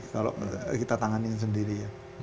kalo kita tanganin sendiri